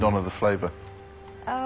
ああ。